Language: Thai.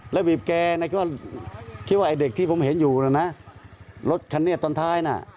แล้วบีบแกก็คิดว่าไอ้เด็กที่ผมเห็นอยู่นะนะรถคันนี้ตอนท้ายน่ะ